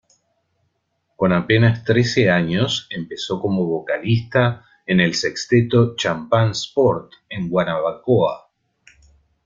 Con apenas trece años, empezó como vocalista en el sexteto Champán Sport, en Guanabacoa.